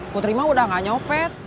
putri mah udah gak nyopet